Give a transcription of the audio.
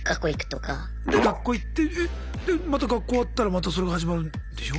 で学校行ってえっでまた学校終わったらまたそれが始まるんでしょ？